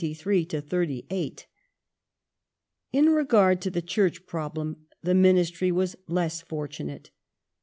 The III regard to the Church problem the Ministry was less fortunate.